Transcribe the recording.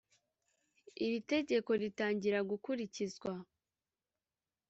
Iri tegeko ritangira gukurikizwa